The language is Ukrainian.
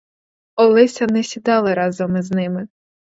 Олеся не сідала разом із ними.